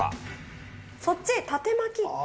そっち、縦巻き？